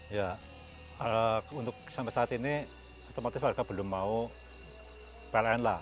ya untuk sampai saat ini otomatis warga belum mau pln lah